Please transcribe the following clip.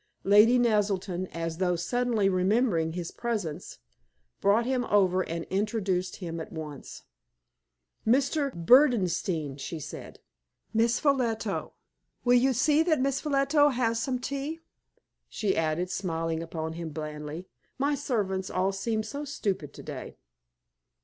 Lady Naselton, as though suddenly remembering his presence, brought him over and introduced him at once. "Mr. Berdenstein," she said "Miss Ffolliot. Will you see that Miss Ffolliot has some tea?" she added, smiling upon him blandly. "My servants all seem so stupid to day."